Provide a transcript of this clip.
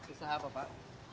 usaha apa pak